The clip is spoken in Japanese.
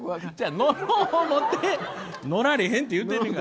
乗ろう思って乗られへんって言ってんねんやから。